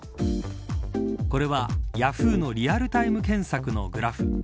これは、ヤフーのリアルタイム検索のグラフ。